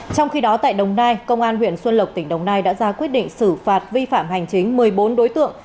trong khi đó tại đồng nai công an huyện xuân lộc tỉnh đồng nai đã ra quyết định xử phạt vi phạm hành chính một mươi bốn đối tượng